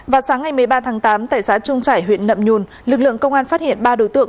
vào sáng ngày một mươi ba tháng tám tại xã trung trải huyện nậm nhùn lực lượng công an phát hiện ba đối tượng